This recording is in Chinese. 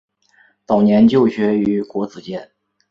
早年就学于国子监。